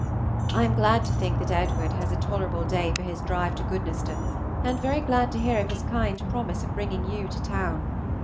I am glad to think that Edward has a tolerable day for his drive to Goodnestone, and very glad to hear of his kind promise of bringing you to town.